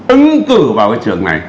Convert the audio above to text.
ứng cử vào cái trường này